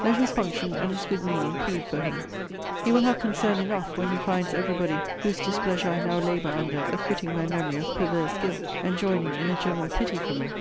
Let his function and his good meaning plead for him. He will have concern enough, when he finds every body, whose displeasure I now labour under, acquitting my memory of perverse guilt, and joining in a general pity for me.